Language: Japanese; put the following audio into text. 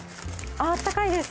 あったかいです。